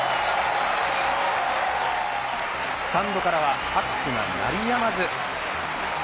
スタンドからは拍手が鳴りやまず。